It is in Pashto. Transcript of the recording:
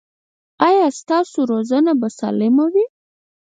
ایا ستاسو روزنه به سالمه وي؟